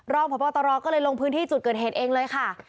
รองพบตรก็เลยลงพื้นที่จุดเกิดเหตุเองเลยค่ะ